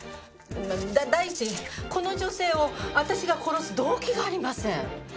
第一この女性を私が殺す動機がありません。